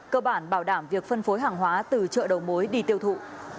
cơ bản bảo đảm việc phân phối hàng hóa từ chợ đầu mối đi tiêu thụ